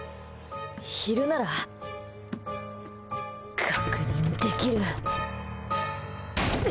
昼なら、確認できる。